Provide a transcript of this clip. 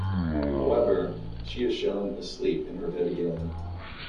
However, she is shown asleep in her bed again.